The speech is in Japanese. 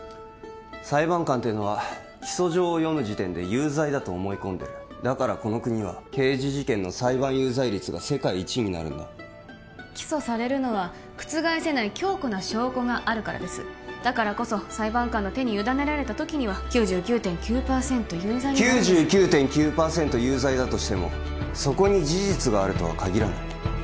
裁判官っていうのは起訴状を読む時点で有罪だと思い込んでるだからこの国は刑事事件の裁判有罪率が世界一になるんだ起訴されるのは覆せない強固な証拠があるからですだからこそ裁判官の手に委ねられた時には９９．９％有罪になるんです９９．９％有罪だとしてもそこに事実があるとはかぎらない